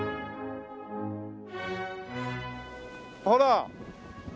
ほら！